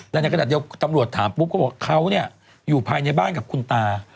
แล้วในกระดาษเดียวตำรวจถามปุ๊บก็บอกเค้าอยู่ภายในบ้านกับคุณตา